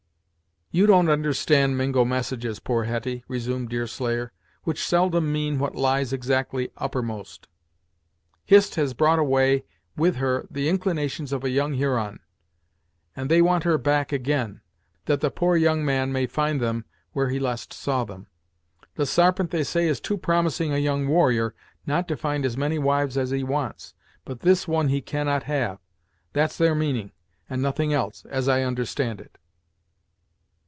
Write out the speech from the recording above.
"You don't understand Mingo messages, poor Hetty " resumed Deerslayer, "which seldom mean what lies exactly uppermost. Hist has brought away with her the inclinations of a young Huron, and they want her back again, that the poor young man may find them where he last saw them! The Sarpent they say is too promising a young warrior not to find as many wives as he wants, but this one he cannot have. That's their meaning, and nothing else, as I understand it."